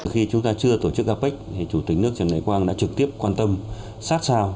khi chúng ta chưa tổ chức apec thì chủ tịch nước trần đại quang đã trực tiếp quan tâm sát sao